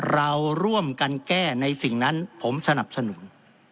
เราร่วมกันแก้ในสิ่งนั้นผมสนับสนุน